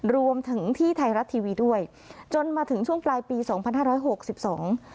รวมถึงที่ไทยรัฐทีวีด้วยจนมาถึงช่วงปลายปีสองพันห้าร้อยหกสิบสอง